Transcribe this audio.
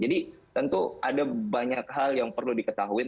jadi tentu ada banyak hal yang perlu diketahuin